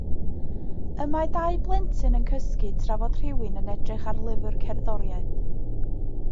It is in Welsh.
Y mae dau blentyn yn cysgu tra fod rhywun yn edrych ar lyfr cerddoriaeth.